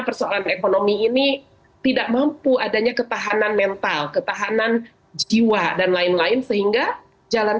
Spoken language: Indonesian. persoalan ekonomi ini tidak mampu adanya ketahanan mental ketahanan jiwa dan lain lain sehingga jalan